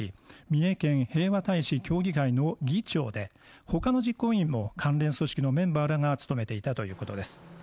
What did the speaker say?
三重県平和大使協議会の議長でほかの実行委員も関連組織のメンバーらが務めていたということです